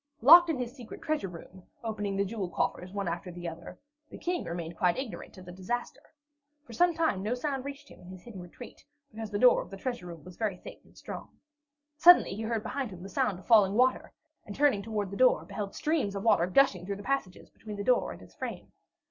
Locked in his secret treasure room, opening the jewel coffers one after the other, the King remained quite ignorant of the disaster. For some time no sound reached him in his hidden retreat, because the door of the treasure room was very thick and strong. Suddenly he heard behind him the sound of falling water, and turning toward the door, beheld streams of water gushing through the passages between the door and its frame.